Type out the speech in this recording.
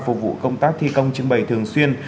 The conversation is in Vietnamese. phục vụ công tác thi công trưng bày thường xuyên